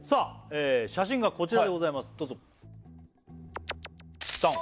写真がこちらでございますどうぞわあ！